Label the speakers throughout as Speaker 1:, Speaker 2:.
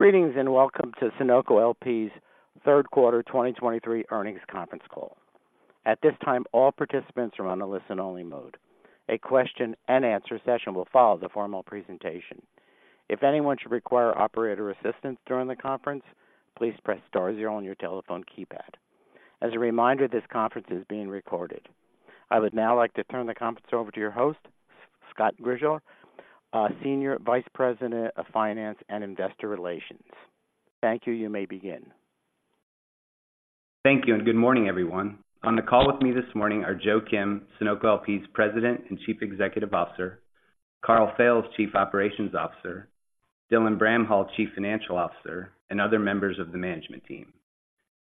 Speaker 1: Greetings, and welcome to Sunoco LP's Third Quarter 2023 Earnings Conference Call. At this time, all participants are on a listen-only mode. A question-and-answer session will follow the formal presentation. If anyone should require operator assistance during the conference, please press star zero on your telephone keypad. As a reminder, this conference is being recorded. I would now like to turn the conference over to your host, Scott Grischow, Senior Vice President of Finance and Investor Relations. Thank you. You may begin.
Speaker 2: Thank you, and good morning, everyone. On the call with me this morning are Joe Kim, Sunoco LP's President and Chief Executive Officer, Karl Fails, Chief Operating Officer, Dylan Bramhall, Chief Financial Officer, and other members of the management team.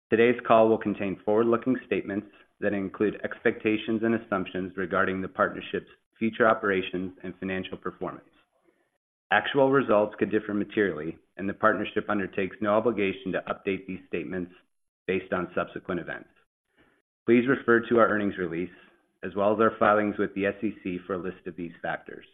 Speaker 2: Today's call will contain forward-looking statements that include expectations and assumptions regarding the partnership's future operations and financial performance. Actual results could differ materially, and the partnership undertakes no obligation to update these statements based on subsequent events. Please refer to our earnings release, as well as our filings with the SEC for a list of these factors.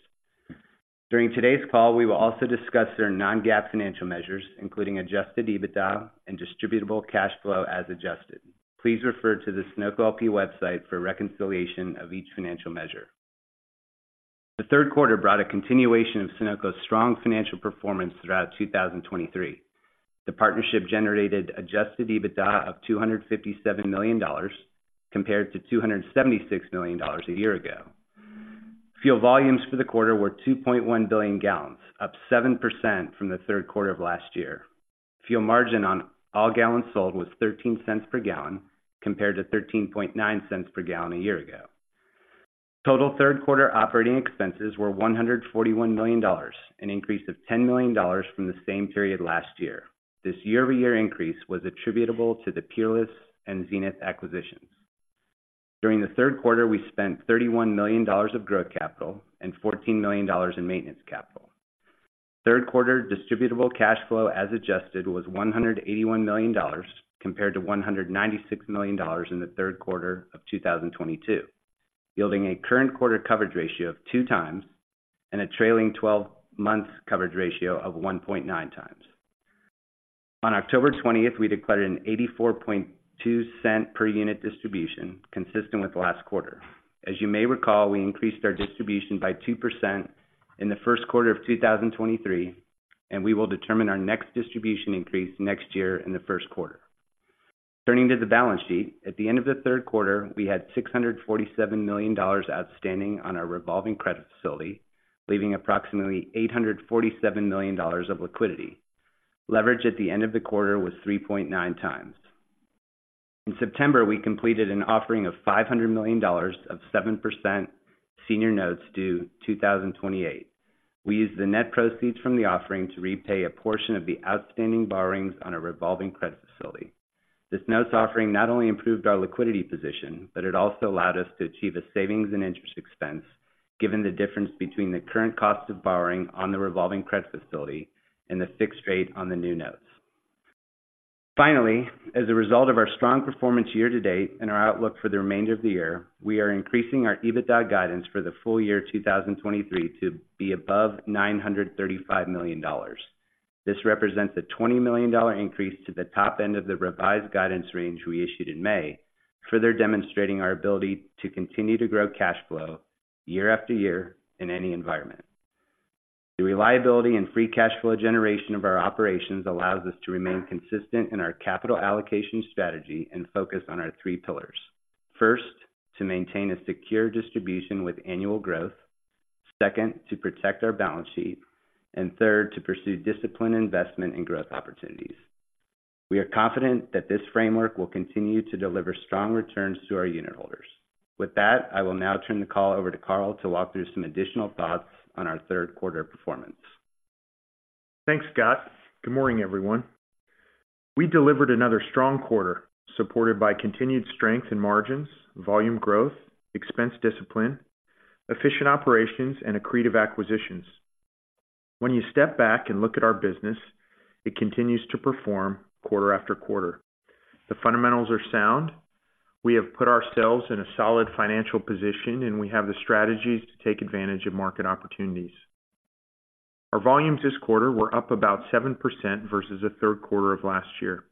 Speaker 2: During today's call, we will also discuss their non-GAAP financial measures, including Adjusted EBITDA and Distributable Cash Flow as adjusted. Please refer to the Sunoco LP website for reconciliation of each financial measure. The third quarter brought a continuation of Sunoco's strong financial performance throughout 2023. The partnership generated Adjusted EBITDA of $257 million, compared to $276 million a year ago. Fuel volumes for the quarter were 2.1 billion gallons, up 7% from the third quarter of last year. Fuel margin on all gallons sold was 13 cents per gallon, compared to 13.9 cents per gallon a year ago. Total third quarter operating expenses were $141 million, an increase of $10 million from the same period last year. This year-over-year increase was attributable to the Peerless and Zenith acquisitions. During the third quarter, we spent $31 million of growth capital and $14 million in maintenance capital. Third quarter Distributable Cash Flow, as adjusted, was $181 million, compared to $196 million in the third quarter of 2022, yielding a current quarter coverage ratio of two times and a trailing 12 months coverage ratio of 1.9 times. On 20 October, we declared an $0.842 per unit distribution, consistent with last quarter. As you may recall, we increased our distribution by 2% in the first quarter of 2023, and we will determine our next distribution increase next year in the first quarter. Turning to the balance sheet, at the end of the third quarter, we had $647 million outstanding on our revolving credit facility, leaving approximately $847 million of liquidity. Leverage at the end of the quarter was 3.9 times. In September, we completed an offering of $500 million of 7% senior notes due 2028. We used the net proceeds from the offering to repay a portion of the outstanding borrowings on our revolving credit facility. This notes offering not only improved our liquidity position, but it also allowed us to achieve a savings in interest expense, given the difference between the current cost of borrowing on the revolving credit facility and the fixed rate on the new notes. Finally, as a result of our strong performance year to date and our outlook for the remainder of the year, we are increasing our EBITDA guidance for the full year 2023 to be above $935 million. This represents a $20 million increase to the top end of the revised guidance range we issued in May, further demonstrating our ability to continue to grow cash flow year after year in any environment. The reliability and free cash flow generation of our operations allows us to remain consistent in our capital allocation strategy and focus on our three pillars. First, to maintain a secure distribution with annual growth. Second, to protect our balance sheet. And third, to pursue disciplined investment and growth opportunities. We are confident that this framework will continue to deliver strong returns to our unitholders. With that, I will now turn the call over to Karl to walk through some additional thoughts on our third quarter performance.
Speaker 3: Thanks, Scott. Good morning, everyone. We delivered another strong quarter, supported by continued strength in margins, volume growth, expense discipline, efficient operations, and accretive acquisitions. When you step back and look at our business, it continues to perform quarter after quarter. The fundamentals are sound. We have put ourselves in a solid financial position, and we have the strategies to take advantage of market opportunities. Our volumes this quarter were up about 7% versus the third quarter of last year.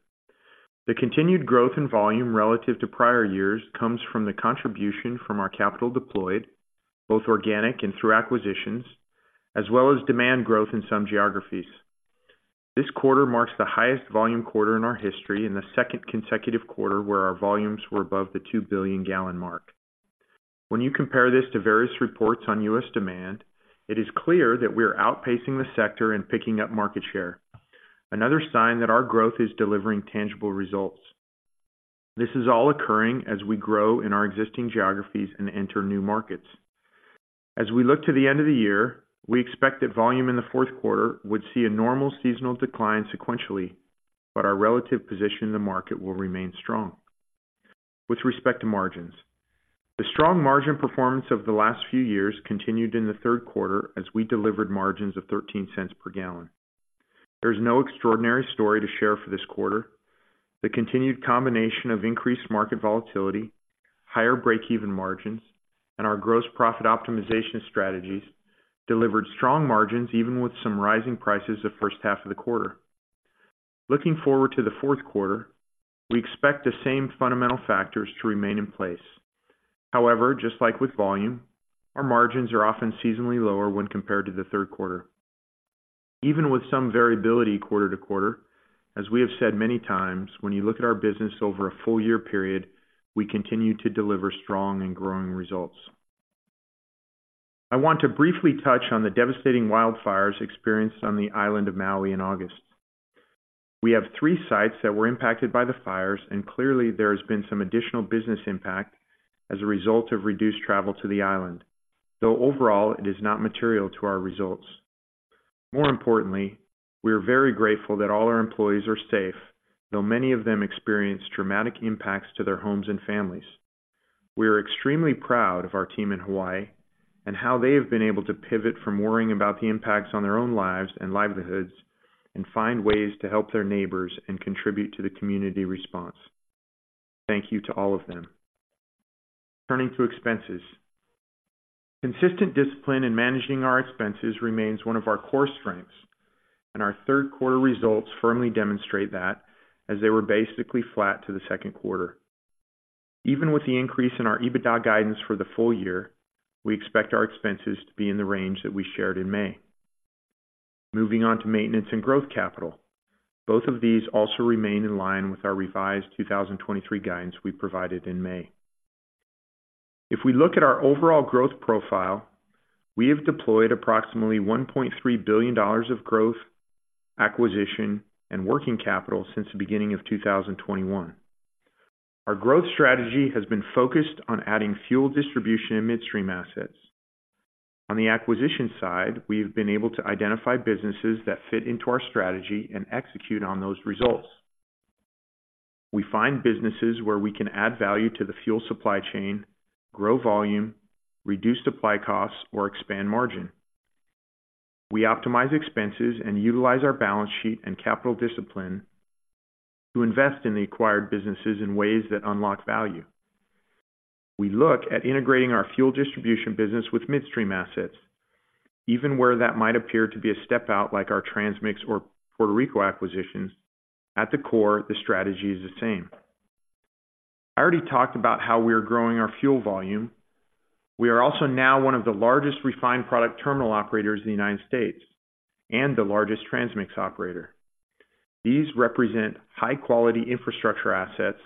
Speaker 3: The continued growth in volume relative to prior years comes from the contribution from our capital deployed, both organic and through acquisitions, as well as demand growth in some geographies. This quarter marks the highest volume quarter in our history and the second consecutive quarter where our volumes were above the two billion gallon mark. When you compare this to various reports on U.S. demand, it is clear that we are outpacing the sector and picking up market share, another sign that our growth is delivering tangible results. This is all occurring as we grow in our existing geographies and enter new markets. As we look to the end of the year, we expect that volume in the fourth quarter would see a normal seasonal decline sequentially, but our relative position in the market will remain strong. With respect to margins, the strong margin performance of the last few years continued in the third quarter as we delivered margins of $0.13 per gallon. There's no extraordinary story to share for this quarter. The continued combination of increased market volatility, higher breakeven margins, and our gross profit optimization strategies delivered strong margins, even with some rising prices the first half of the quarter. Looking forward to the fourth quarter, we expect the same fundamental factors to remain in place. However, just like with volume, our margins are often seasonally lower when compared to the third quarter. Even with some variability quarter to quarter, as we have said many times, when you look at our business over a full year period, we continue to deliver strong and growing results. I want to briefly touch on the devastating wildfires experienced on the island of Maui in August. We have three sites that were impacted by the fires, and clearly, there has been some additional business impact as a result of reduced travel to the island, though overall, it is not material to our results. More importantly, we are very grateful that all our employees are safe, though many of them experienced traumatic impacts to their homes and families. We are extremely proud of our team in Hawaii and how they have been able to pivot from worrying about the impacts on their own lives and livelihoods and find ways to help their neighbors and contribute to the community response. Thank you to all of them. Turning to expenses. Consistent discipline in managing our expenses remains one of our core strengths, and our third quarter results firmly demonstrate that as they were basically flat to the second quarter. Even with the increase in our EBITDA guidance for the full year, we expect our expenses to be in the range that we shared in May. Moving on to maintenance and growth capital. Both of these also remain in line with our revised 2023 guidance we provided in May. If we look at our overall growth profile, we have deployed approximately $1.3 billion of growth, acquisition, and working capital since the beginning of 2021. Our growth strategy has been focused on adding fuel distribution and midstream assets. On the acquisition side, we've been able to identify businesses that fit into our strategy and execute on those results. We find businesses where we can add value to the fuel supply chain, grow volume, reduce supply costs, or expand margin. We optimize expenses and utilize our balance sheet and capital discipline to invest in the acquired businesses in ways that unlock value. We look at integrating our fuel distribution business with midstream assets, even where that might appear to be a step out, like our transmix or Puerto Rico acquisitions. At the core, the strategy is the same. I already talked about how we are growing our fuel volume. We are also now one of the largest refined product terminal operators in the United States and the largest transmix operator. These represent high-quality infrastructure assets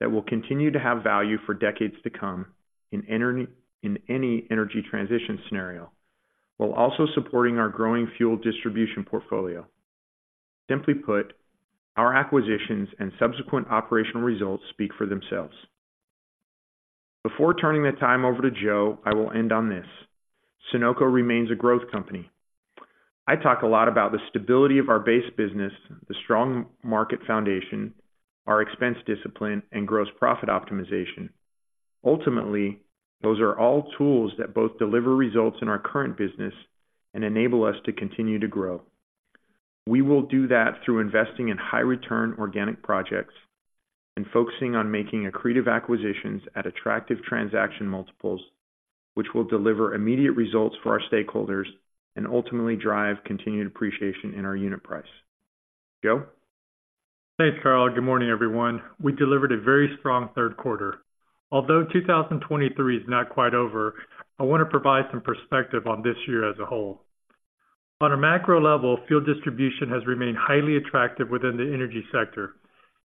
Speaker 3: that will continue to have value for decades to come in any energy transition scenario, while also supporting our growing fuel distribution portfolio. Simply put, our acquisitions and subsequent operational results speak for themselves. Before turning the time over to Joe, I will end on this: Sunoco remains a growth company. I talk a lot about the stability of our base business, the strong market foundation, our expense discipline, and gross profit optimization. Ultimately, those are all tools that both deliver results in our current business and enable us to continue to grow. We will do that through investing in high-return organic projects and focusing on making accretive acquisitions at attractive transaction multiples, which will deliver immediate results for our stakeholders and ultimately drive continued appreciation in our unit price. Joe?
Speaker 4: Thanks, Karl. Good morning, everyone. We delivered a very strong third quarter. Although 2023 is not quite over, I want to provide some perspective on this year as a whole. On a macro level, fuel distribution has remained highly attractive within the energy sector.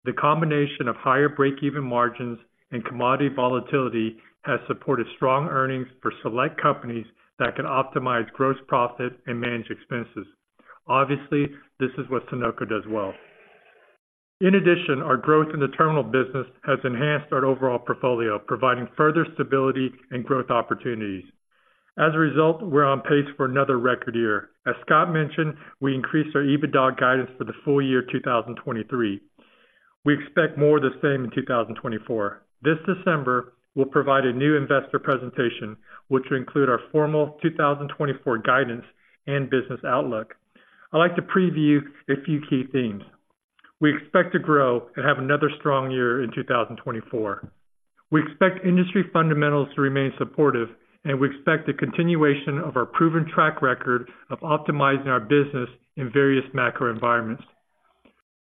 Speaker 4: The combination of higher breakeven margins and commodity volatility has supported strong earnings for select companies that can optimize gross profit and manage expenses. Obviously, this is what Sunoco does well. In addition, our growth in the terminal business has enhanced our overall portfolio, providing further stability and growth opportunities. As a result, we're on pace for another record year. As Scott mentioned, we increased our EBITDA guidance for the full year 2023. We expect more of the same in 2024. This December, we'll provide a new investor presentation, which will include our formal 2024 guidance and business outlook. I'd like to preview a few key themes. We expect to grow and have another strong year in 2024. We expect industry fundamentals to remain supportive, and we expect the continuation of our proven track record of optimizing our business in various macro environments.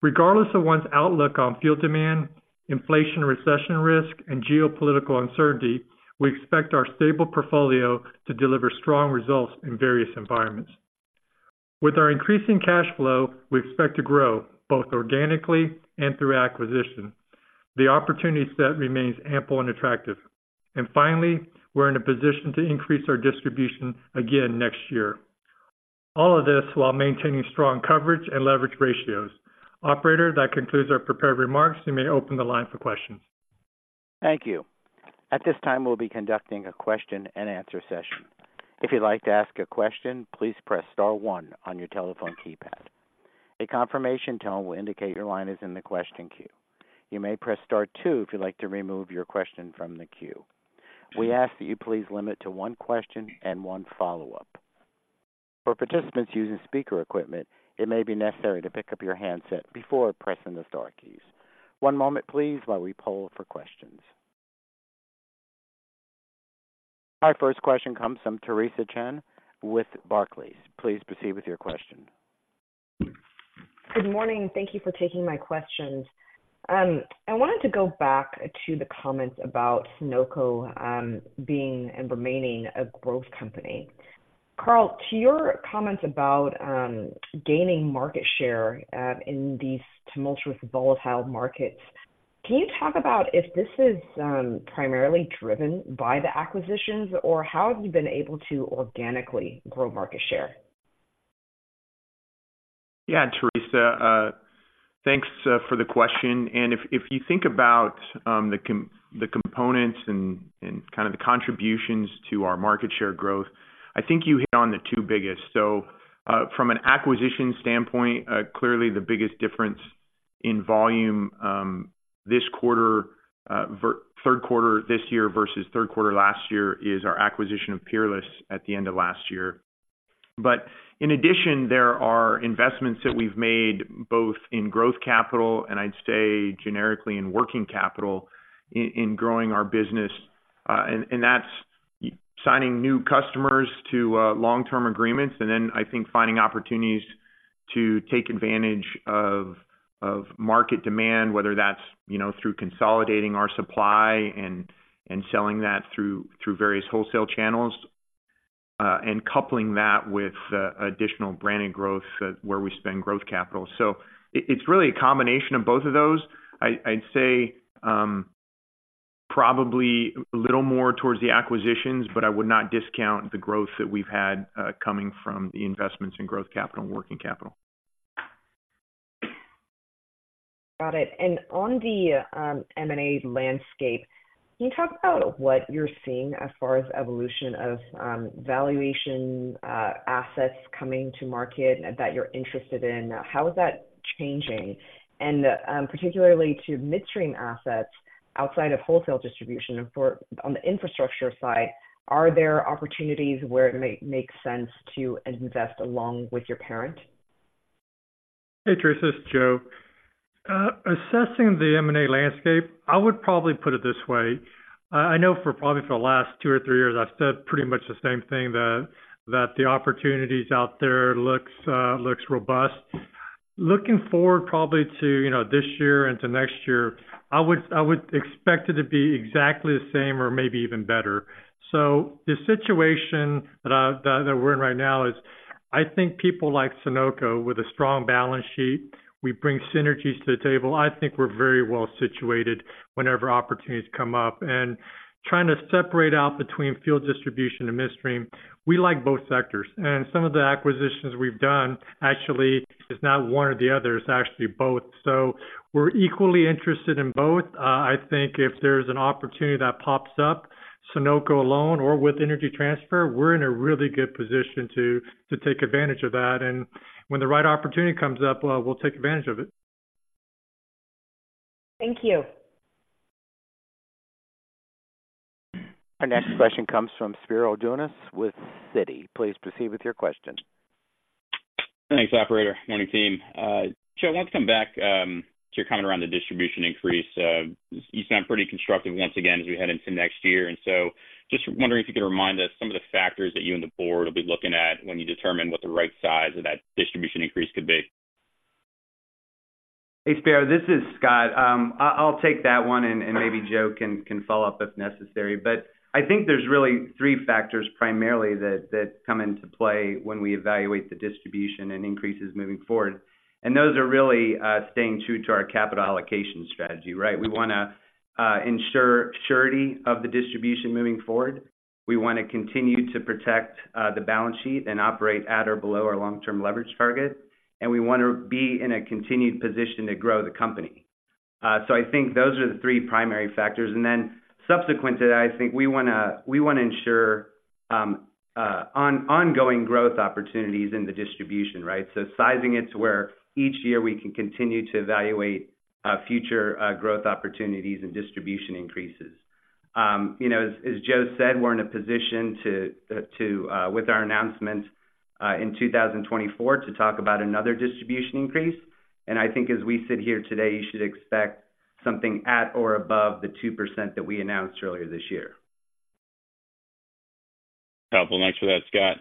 Speaker 4: Regardless of one's outlook on fuel demand, inflation, recession risk, and geopolitical uncertainty, we expect our stable portfolio to deliver strong results in various environments. With our increasing cash flow, we expect to grow both organically and through acquisition. The opportunity set remains ample and attractive. And finally, we're in a position to increase our distribution again next year. All of this while maintaining strong coverage and leverage ratios. Operator, that concludes our prepared remarks. You may open the line for questions.
Speaker 1: Thank you. At this time, we'll be conducting a question-and-answer session. If you'd like to ask a question, please press star one on your telephone keypad. A confirmation tone will indicate your line is in the question queue. You may press star two if you'd like to remove your question from the queue. We ask that you please limit to one question and one follow-up. For participants using speaker equipment, it may be necessary to pick up your handset before pressing the star keys. One moment please, while we poll for questions. Our first question comes from Theresa Chen with Barclays. Please proceed with your question.
Speaker 5: Good morning, and thank you for taking my questions. I wanted to go back to the comments about Sunoco, being and remaining a growth company. Karl, to your comments about, gaining market share, in these tumultuous, volatile markets, can you talk about if this is, primarily driven by the acquisitions? Or how have you been able to organically grow market share?
Speaker 3: Yeah, Theresa, thanks for the question. If you think about the components and kind of the contributions to our market share growth, I think you hit on the two biggest. So, from an acquisition standpoint, clearly the biggest difference in volume, third quarter this year versus third quarter last year, is our acquisition of Peerless at the end of last year. But in addition, there are investments that we've made, both in growth capital, and I'd say generically in working capital, in growing our business. And that's why signing new customers to long-term agreements, and then I think finding opportunities to take advantage of market demand. Whether that's, you know, through consolidating our supply and selling that through various wholesale channels, and coupling that with additional branded growth, where we spend growth capital. So it, it's really a combination of both of those. I, I'd say, probably a little more towards the acquisitions, but I would not discount the growth that we've had, coming from the investments in growth capital and working capital.
Speaker 5: Got it. And on the M&A landscape, can you talk about what you're seeing as far as evolution of valuation, assets coming to market that you're interested in? How is that changing? And, particularly to midstream assets outside of wholesale distribution and on the infrastructure side, are there opportunities where it may make sense to invest along with your parent?
Speaker 4: Hey, Theresa, it's Joe. Assessing the M&A landscape, I would probably put it this way: I know for probably the last two or three years, I've said pretty much the same thing, that the opportunities out there looks robust. Looking forward probably to, you know, this year and to next year, I would expect it to be exactly the same or maybe even better. So the situation that we're in right now is, I think people like Sunoco, with a strong balance sheet, we bring synergies to the table. I think we're very well situated whenever opportunities come up. And trying to separate out between fuel distribution and midstream, we like both sectors, and some of the acquisitions we've done actually is not one or the other, it's actually both. So we're equally interested in both. I think if there's an opportunity that pops up, Sunoco alone or with Energy Transfer, we're in a really good position to take advantage of that. And when the right opportunity comes up, we'll take advantage of it.
Speaker 5: Thank you.
Speaker 1: Our next question comes from Spiro Dounis with Citi. Please proceed with your question.
Speaker 6: Thanks, operator. Morning, team. Joe, I want to come back, to your comment around the distribution increase. You sound pretty constructive once again, as we head into next year, and so just wondering if you could remind us some of the factors that you and the board will be looking at when you determine what the right size of that distribution increase could be.
Speaker 3: Hey, Spiro, this is Scott. I'll take that one, and maybe Joe can follow up if necessary. But I think there's really three factors primarily that come into play when we evaluate the distribution and increases moving forward. And those are really staying true to our capital allocation strategy, right? We wanna ensure surety of the distribution moving forward. We want to continue to protect the balance sheet and operate at or below our long-term leverage target, and we want to be in a continued position to grow the company. So I think those are the three primary factors. And then subsequent to that, I think we wanna ensure ongoing growth opportunities in the distribution, right? So sizing it to where each year we can continue to evaluate future growth opportunities and distribution increases. You know, as Joe said, we're in a position to with our announcement in 2024 to talk about another distribution increase. I think as we sit here today, you should expect something at or above the 2% that we announced earlier this year.
Speaker 6: Well, thanks for that, Scott.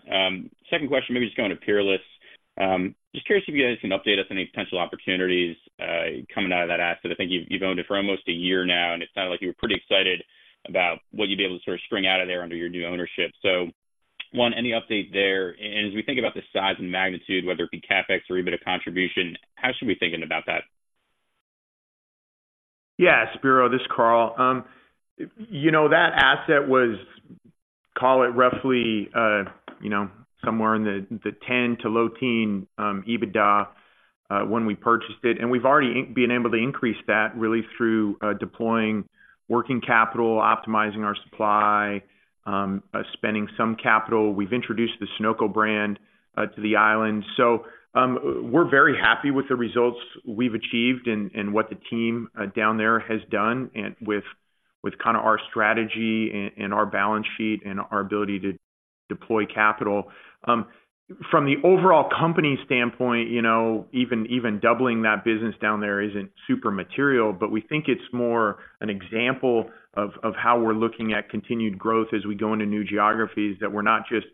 Speaker 6: Second question, maybe just going to Peerless. Just curious if you guys can update us on any potential opportunities coming out of that asset. I think you've owned it for almost a year now, and it sounded like you were pretty excited about what you'd be able to sort of string out of there under your new ownership. So one, any update there? And as we think about the size and magnitude, whether it be CapEx or EBITDA contribution, how should we be thinking about that?
Speaker 3: Yeah, Spiro, this is Karl. You know, that asset was, call it roughly, you know, somewhere in the 10 to low teens EBITDA when we purchased it, and we've already been able to increase that really through deploying working capital, optimizing our supply, spending some capital. We've introduced the Sunoco brand to the island. So, we're very happy with the results we've achieved and what the team down there has done and with our strategy and our balance sheet and our ability to deploy capital. From the overall company standpoint, you know, even doubling that business down there isn't super material, but we think it's more an example of how we're looking at continued growth as we go into new geographies, that we're not just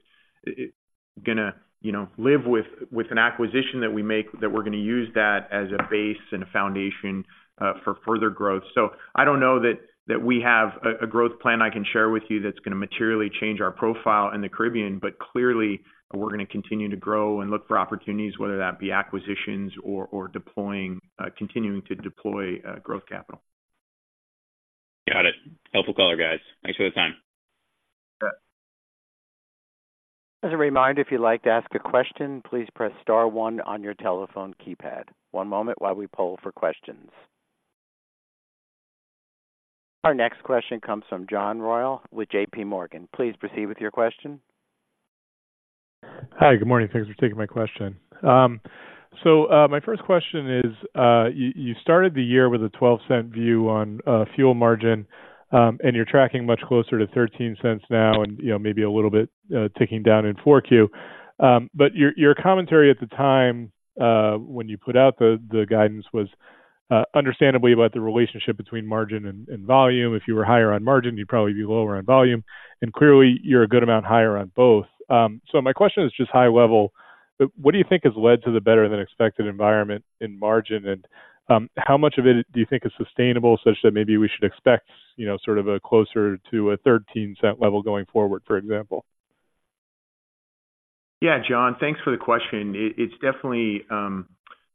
Speaker 3: gonna, you know, live with an acquisition that we make, that we're gonna use that as a base and a foundation for further growth. So I don't know that we have a growth plan I can share with you that's gonna materially change our profile in the Caribbean, but clearly, we're gonna continue to grow and look for opportunities, whether that be acquisitions or deploying continuing to deploy growth capital.
Speaker 2: Got it. Helpful color, guys. Thanks for the time.
Speaker 3: Yeah.
Speaker 1: As a reminder, if you'd like to ask a question, please press star one on your telephone keypad. One moment while we poll for questions. Our next question comes from John Royall, with JPMorgan. Please proceed with your question.
Speaker 7: Hi, good morning. Thanks for taking my question. So, my first question is, you started the year with a $0.12 view on fuel margin, and you're tracking much closer to $0.13 now and, you know, maybe a little bit ticking down in 4Q. But your commentary at the time, when you put out the guidance, was understandably about the relationship between margin and volume. If you were higher on margin, you'd probably be lower on volume, and clearly you're a good amount higher on both. So my question is just high-level. What do you think has led to the better than expected environment in margin? How much of it do you think is sustainable, such that maybe we should expect, you know, sort of a closer to a $0.13 level going forward, for example?
Speaker 3: Yeah, John, thanks for the question. It, it's definitely,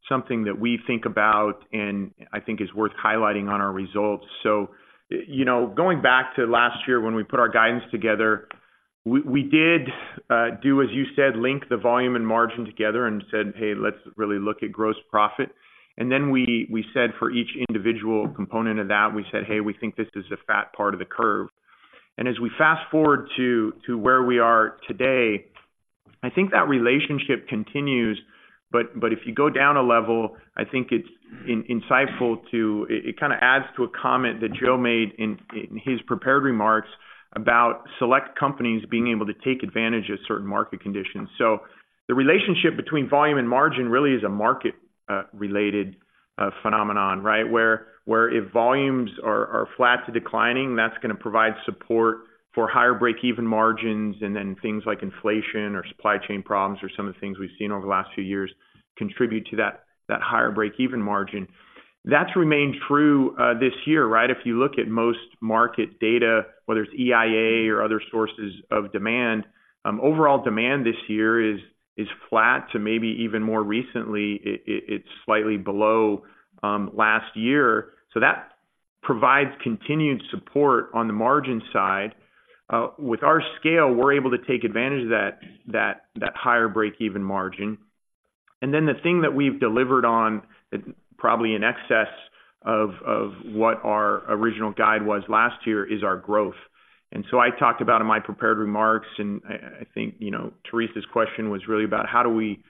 Speaker 3: something that we think about and I think is worth highlighting on our results. So, you know, going back to last year when we put our guidance together, we, we did, do as you said, link the volume and margin together and said, "Hey, let's really look at gross profit." And then we, we said for each individual component of that, we said, "Hey, we think this is the fat part of the curve." And as we fast forward to, to where we are today, I think that relationship continues. But, but if you go down a level, I think it's insightful to it kind of adds to a comment that Joe made in, in his prepared remarks about select companies being able to take advantage of certain market conditions. So the relationship between volume and margin really is a market related phenomenon, right? Where if volumes are flat to declining, that's gonna provide support for higher breakeven margins, and then things like inflation or supply chain problems, or some of the things we've seen over the last few years, contribute to that higher breakeven margin. That's remained true this year, right? If you look at most market data, whether it's EIA or other sources of demand, overall demand this year is flat to maybe even more recently, it's slightly below last year. So that provides continued support on the margin side. With our scale, we're able to take advantage of that higher breakeven margin. And then the thing that we've delivered on, probably in excess of what our original guide was last year, is our growth. And so I talked about in my prepared remarks, and I think, you know, Theresa's question was really about how do we,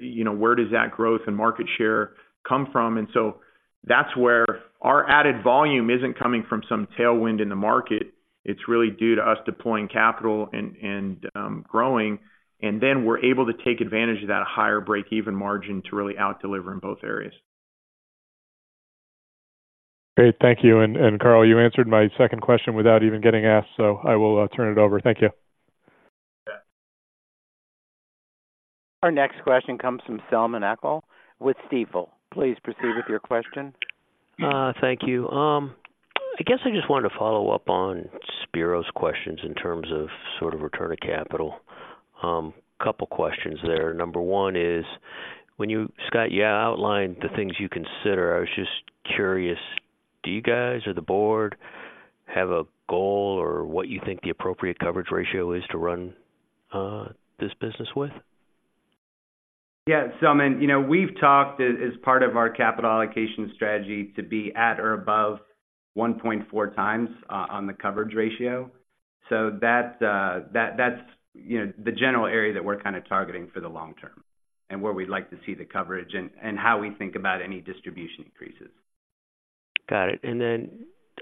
Speaker 3: you know, where does that growth and market share come from? And so that's where our added volume isn't coming from some tailwind in the market. It's really due to us deploying capital and growing, and then we're able to take advantage of that higher breakeven margin to really out-deliver in both areas.
Speaker 7: Great. Thank you. And, Karl, you answered my second question without even getting asked, so I will turn it over. Thank you.
Speaker 3: Yeah.
Speaker 1: Our next question comes from Selman Akyol with Stifel. Please proceed with your question.
Speaker 8: Thank you. I guess I just wanted to follow up on Spiro's questions in terms of sort of return of capital. A couple questions there. Number one is, when you, Scott, you outlined the things you consider. I was just curious, do you guys or the board have a goal or what you think the appropriate coverage ratio is to run this business with?
Speaker 2: Yeah, Selman, you know, we've talked as part of our capital allocation strategy to be at or above 1.4 times on the coverage ratio. So that, that's, you know, the general area that we're kind of targeting for the long term and where we'd like to see the coverage, and how we think about any distribution increases.
Speaker 8: Got it. And then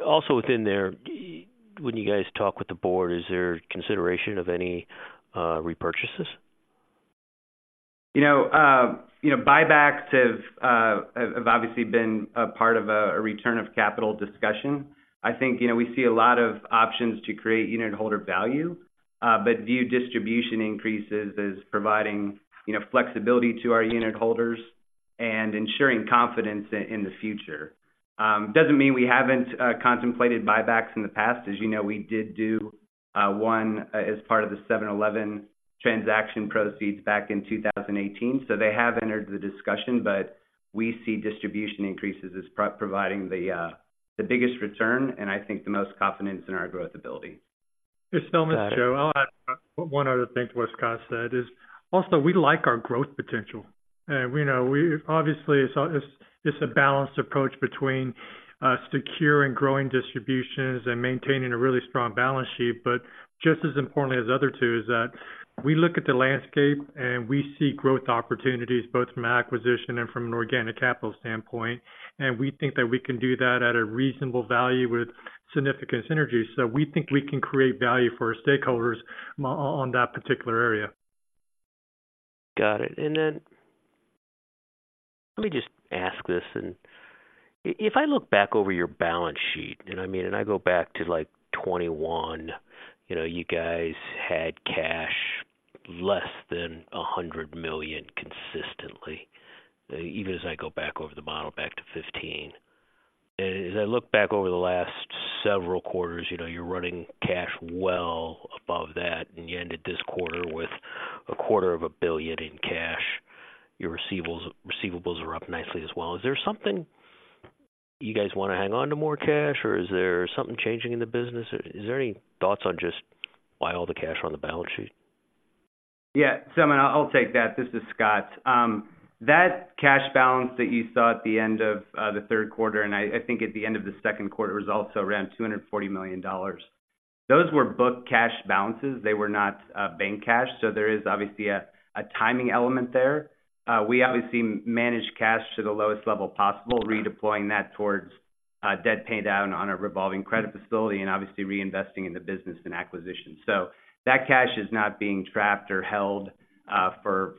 Speaker 8: also within there, when you guys talk with the board, is there consideration of any repurchases?
Speaker 2: You know, you know, buybacks have obviously been a part of a return of capital discussion. I think, you know, we see a lot of options to create unitholder value, but view distribution increases as providing, you know, flexibility to our unitholders and ensuring confidence in the future. Doesn't mean we haven't contemplated buybacks in the past. As you know, we did do one as part of the 7-Eleven transaction proceeds back in 2018. So they have entered the discussion, but we see distribution increases as providing the biggest return, and I think the most confidence in our growth ability.
Speaker 4: It's Selman, it's Joe. I'll add one other thing to what Scott said, is also, we like our growth potential. We know, we obviously, it's a balanced approach between securing growing distributions and maintaining a really strong balance sheet. But just as importantly as the other two, is that we look at the landscape, and we see growth opportunities, both from an acquisition and from an organic capital standpoint. And we think that we can do that at a reasonable value with significant synergies. So we think we can create value for our stakeholders on that particular area.
Speaker 8: Got it. Then let me just ask this, and if I look back over your balance sheet, and I mean, and I go back to like 2021, you know, you guys had cash less than $100 million consistently, even as I go back over the model, back to 2015. And as I look back over the last several quarters, you know, you're running cash well above that, and you ended this quarter with $250 million in cash. Your receivables, receivables are up nicely as well. Is there something. You guys want to hang on to more cash, or is there something changing in the business? Is there any thoughts on just why all the cash on the balance sheet?
Speaker 2: Yeah, Selman, I'll take that. This is Scott. That cash balance that you saw at the end of the third quarter, and I think at the end of the second quarter was also around $240 million. Those were book cash balances. They were not bank cash, so there is obviously a timing element there. We obviously manage cash to the lowest level possible, redeploying that towards debt pay down on a revolving credit facility and obviously reinvesting in the business and acquisition. So that cash is not being trapped or held for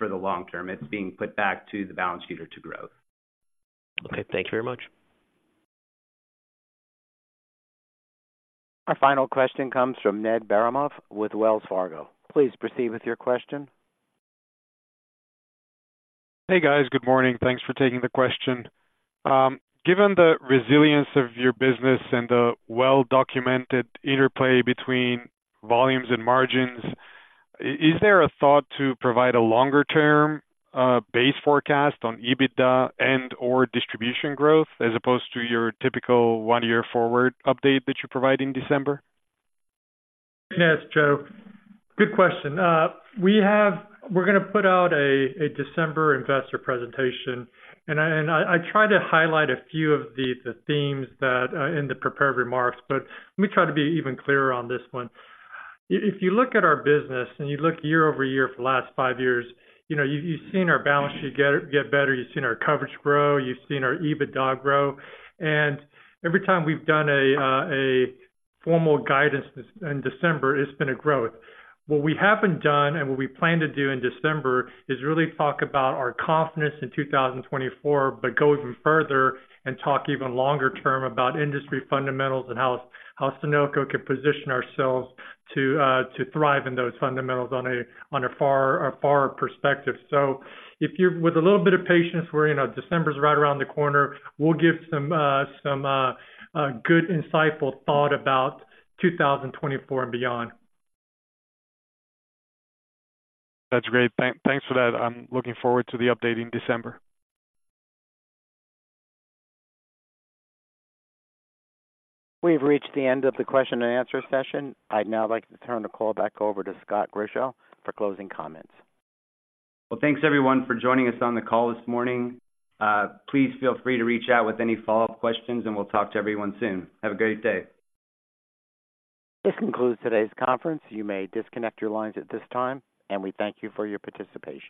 Speaker 2: the long term. It's being put back to the balance sheet or to growth.
Speaker 8: Okay, thank you very much.
Speaker 1: Our final question comes from Ned Baramov with Wells Fargo. Please proceed with your question.
Speaker 9: Hey, guys. Good morning. Thanks for taking the question. Given the resilience of your business and the well-documented interplay between volumes and margins, is there a thought to provide a longer-term base forecast on EBITDA and/or distribution growth, as opposed to your typical one-year forward update that you provide in December?
Speaker 4: Yes, Joe, good question. We're going to put out a December investor presentation, and I tried to highlight a few of the themes that in the prepared remarks, but let me try to be even clearer on this one. If you look at our business, and you look year-over-year for the last five years, you know, you've seen our balance sheet get better, you've seen our coverage grow, you've seen our EBITDA grow. And every time we've done a formal guidance in December, it's been a growth. What we haven't done and what we plan to do in December is really talk about our confidence in 2024, but go even further and talk even longer term about industry fundamentals and how Sunoco can position ourselves to thrive in those fundamentals on a far perspective. So if you're with a little bit of patience, we're, you know, December's right around the corner. We'll give some good insightful thought about 2024 and beyond.
Speaker 9: That's great. Thanks for that. I'm looking forward to the update in December.
Speaker 1: We've reached the end of the question-and-answer session. I'd now like to turn the call back over to Scott Grischow for closing comments.
Speaker 2: Well, thanks everyone for joining us on the call this morning. Please feel free to reach out with any follow-up questions, and we'll talk to everyone soon. Have a great day.
Speaker 1: This concludes today's conference. You may disconnect your lines at this time, and we thank you for your participation.